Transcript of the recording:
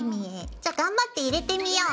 じゃ頑張って入れてみよう。